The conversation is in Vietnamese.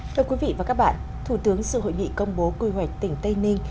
thưa quý vị và các bạn thủ tướng sự hội nghị công bố quy hoạch tỉnh tây ninh